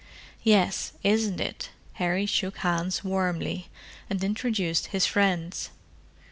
"Yes, isn't it?" Harry shook hands warmly, and introduced his friends.